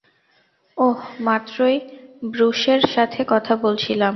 ওহ, মাত্রই ব্রুসের সাথে কথা বলছিলাম।